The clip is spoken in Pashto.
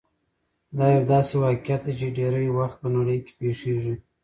دا يو داسې واقعيت دی چې ډېری وخت په نړۍ کې پېښېږي.